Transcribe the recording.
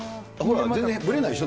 全然ぶれないでしょ、